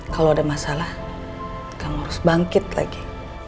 kalau ada masalah kamu harus bangkit lagi